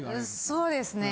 そうですね